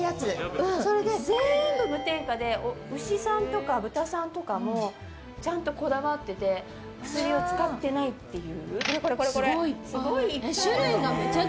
全部無添加で牛さんとか豚さんとかもちゃんとこだわってて薬は使ってないっていう。